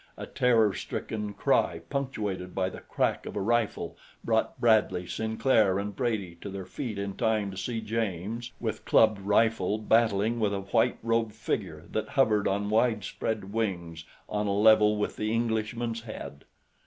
A terror stricken cry punctuated by the crack of a rifle brought Bradley, Sinclair and Brady to their feet in time to see James, with clubbed rifle, battling with a white robed figure that hovered on widespread wings on a level with the Englishman's head.